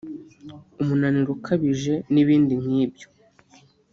umunaniro ukabije n’ibindi nk’ibyo